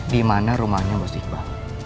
di mana rumahnya mas iqbal